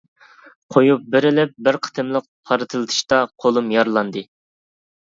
قويۇپ بېرىلىپ بىر قېتىملىق پارتلىتىشتا قولۇم يارىلاندى.